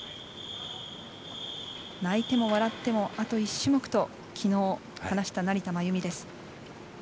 泣いても笑っても、あと１種目と昨日話した成田真由美です。